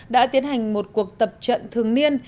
đã tiến hành một cuộc tập trận thường niên